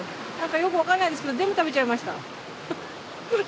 よくわかんないんですけど全部食べちゃいました。